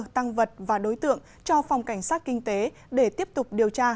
tăng vật và đối tượng cho phòng cảnh sát kinh tế để tiếp tục điều tra